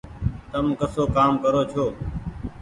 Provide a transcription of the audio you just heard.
تم ڪسو ڪآم ڪرو ڇو۔